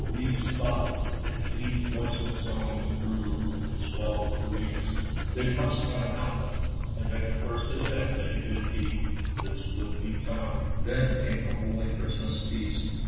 These thoughts and these voiceless songs grew and swelled for weeks ; they must 126 ANDERSEN'S FAIRY TALES have an outlet, and at the first attempt at a good deed this would be found. Then came the holy Christmas Feast.